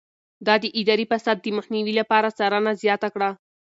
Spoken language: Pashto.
ده د اداري فساد د مخنيوي لپاره څارنه زياته کړه.